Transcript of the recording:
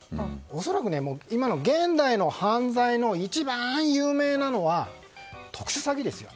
恐らく現代の犯罪の一番有名なのは特殊詐欺ですよ。